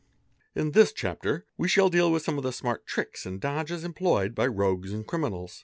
In this chapter we shall deal with some of the smart tricks and dodges employed by rogues and criminals.